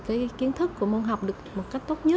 cái kiến thức của môn học được một cách tốt nhất